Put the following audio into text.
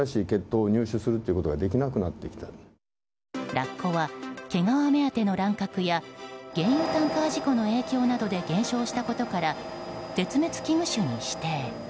ラッコは毛皮目当ての乱獲や原油タンカー事故の影響などで減少したことから絶滅危惧種に指定。